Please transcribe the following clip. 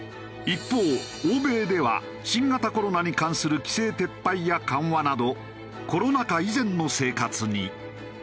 一方欧米では新型コロナに関する規制撤廃や緩和などコロナ禍以前の生活に。